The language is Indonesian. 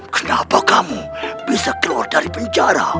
kenapa kamu bisa keluar dari penjara